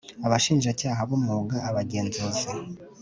Abashinjacyaha b umwuga Abagenzuzi